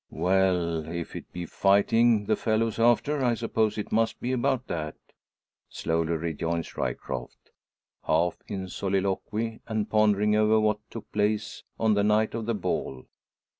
"Well; if it be fighting the fellow's after, I suppose it must be about that," slowly rejoins Ryecroft, half in soliloquy and pondering over what took place on the night of the ball.